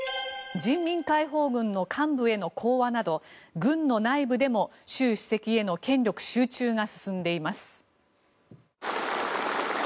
人民解放軍の幹部への講和など軍の内部でも習主席への権力集中が進んでいます。